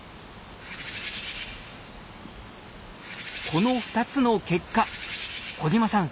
この２つの結果小島さん